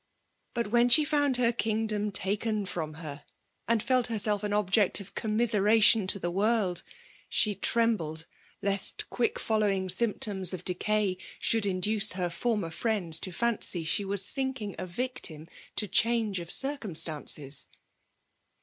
But when she found her kingdom taken from her, and felt herself an object of commiseration to the world, she trembled lest quick following symptoms of decay should in duce her former friends to fancy she was uak* ing a victim to change of circumstances.